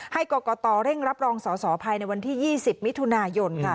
ให้กรกตเร่งรับรองสอสอภายในวันที่๒๐มิถุนายนค่ะ